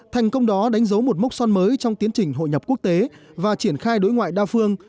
thành công đó đánh dấu một mốc son mới trong tiến trình hội nhập quốc tế và triển khai đối ngoại đa phương